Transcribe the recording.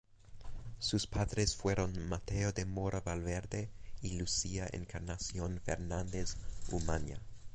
Sus padres fueron Mateo de Mora Valverde y Lucía Encarnación Fernández Umaña.